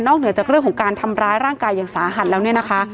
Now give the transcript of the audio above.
เหนือจากเรื่องของการทำร้ายร่างกายอย่างสาหัสแล้วเนี่ยนะคะ